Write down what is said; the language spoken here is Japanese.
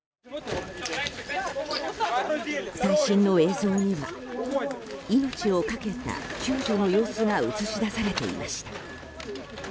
最新の映像には命を懸けた救助の様子が映し出されていました。